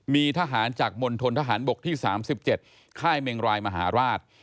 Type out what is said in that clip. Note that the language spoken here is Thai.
มีทหารจากมณฑนทหารบกที่๓๗ค่ายเมงรายมหาราช